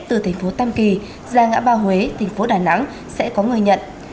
từ tp tam kỳ ra ngã ba huế tp đà nẵng sẽ có người nhận